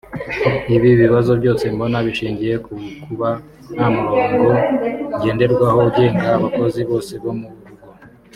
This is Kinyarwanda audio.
Ibi bibazo byose mbona bishingiye ku kuba nta murongo ngenderwaho ugenga abakozi bose bo mu rugo